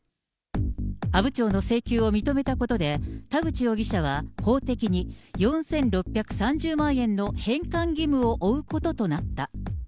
阿武町の請求を認めたことで、田口容疑者は法的に４６３０万円の返還義務を負うこととなった。